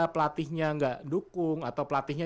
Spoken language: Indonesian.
pelatihnya nggak dukung atau pelatihnya